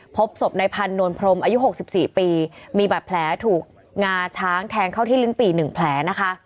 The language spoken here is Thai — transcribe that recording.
พบศพในพันธวลพรมอายุ๖๔ปีมีบาดแผลถูกงาช้างแทงเข้าที่ลิ้นปี่๑แผลนะคะ